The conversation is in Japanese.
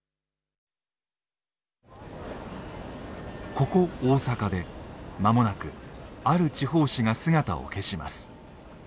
ここ大阪で間もなくある地方紙が姿を消します。